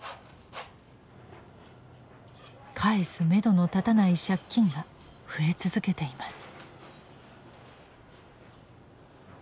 返すめどの立たない借金が増え続けています。